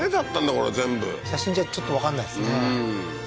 これ全部写真じゃちょっとわかんないですね